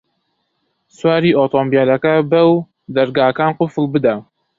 سواری ئۆتۆمبێلەکە بە و دەرگاکان قوفڵ بدە.